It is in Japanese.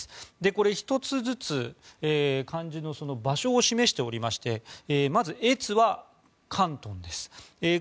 これは１つずつ漢字の場所を示しておりましてまず「粤」は広東です。